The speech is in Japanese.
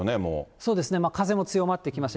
そうですね、風も強まってきました。